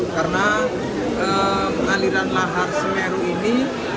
karena pengaliran lahar semeru ini